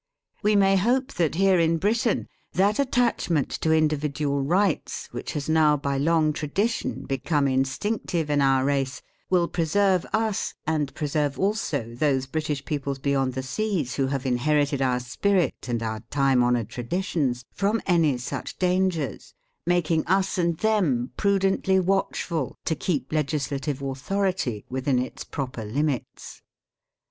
We may hope that here in Britain that attachment to individual rights which has now by long tradition be come instinctive in our race will preserve us, and preserve also those British peoples beyond the seas, who have inherited our spirit and our time honoured traditions, from any such dangers, making us and them prudently watchful to keep legislative authority within its proper limits.